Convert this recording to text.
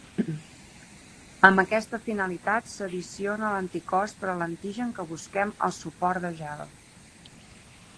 Amb aquesta finalitat s'addiciona l'anticòs per a l'antigen que busquem al suport de gel.